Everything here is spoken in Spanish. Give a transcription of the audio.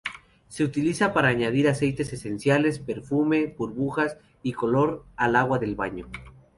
Se utilizan para añadir aceites esenciales, perfume, burbujas y color al agua del baño.